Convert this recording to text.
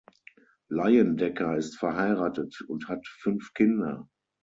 Leyendecker ist verheiratet und hat fünf Kinder.